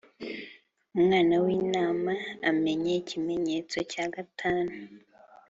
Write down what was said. Umwana w’Intama amennye ikimenyetso cya gatanu,